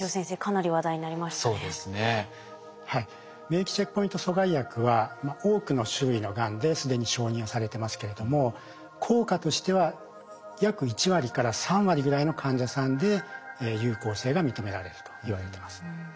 免疫チェックポイント阻害薬は多くの種類のがんで既に承認をされてますけれども効果としては約１割から３割ぐらいの患者さんで有効性が認められるといわれてます。